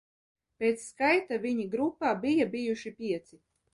Pēc skaita viņi grupā bija bijuši pieci.